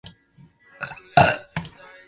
东北扁果草为毛茛科扁果草属下的一个种。